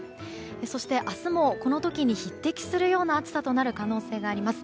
そして、明日もこの時に匹敵するような暑さとなる可能性があります。